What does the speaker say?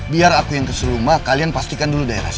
biar aku yang kasih rumah kalian pastikan dulu daerah sini